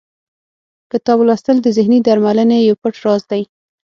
کتاب لوستل د ذهني درملنې یو پټ راز دی.